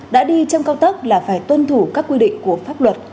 đã đi trong cao tốc là phải tuân thủ các quy định của pháp luật